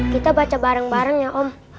kita baca bareng bareng ya om